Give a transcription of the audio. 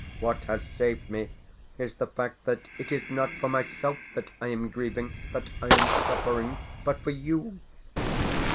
What has saved me is the fact that it is not for myself that I am grieving, that I am suffering, but for YOU.